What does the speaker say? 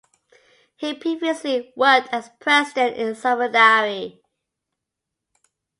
He previously worked as President in a subsidiary.